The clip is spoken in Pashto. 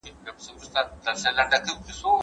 سیر د کتابتوننۍ له خوا کيږي!؟